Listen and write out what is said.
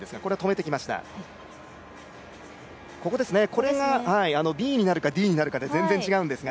これが、ＢになるかＤになるかで全然違うんですが。